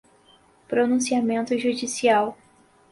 pronunciamento judicial